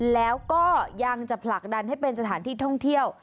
แล้วก็ยังจะผลักดันให้เป็นสถานที่ท่องเที่ยว